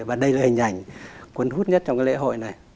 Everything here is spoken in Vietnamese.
và đây là hình ảnh cuốn hút nhất trong cái lễ hội này